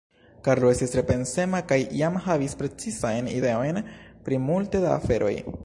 Karlo estis tre pensema kaj jam havis precizajn ideojn pri multe da aferoj.